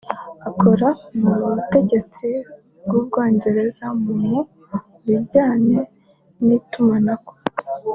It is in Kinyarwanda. akora mu butegetsi bw’Ubwongereza mu mu bijyanye n’itumanako